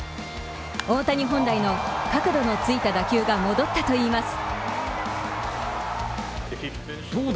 大谷本来の、角度のついた打球が戻ったといいます。